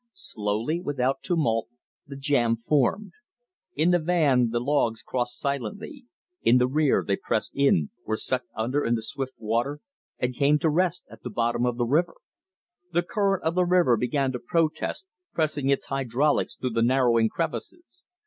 Slowly, without tumult, the jam formed. In the van the logs crossed silently; in the rear they pressed in, were sucked under in the swift water, and came to rest at the bottom of the river. The current of the river began to protest, pressing its hydraulics through the narrowing crevices.